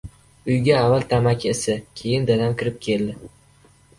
Uyga avval tamaki isi, keyin dadam kirib keldi.